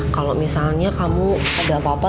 kalau misalnya kamu ada apa apa